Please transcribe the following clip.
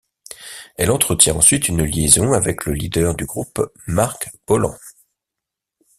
Elle entretient ensuite une liaison avec le leader du groupe Marc Bolan.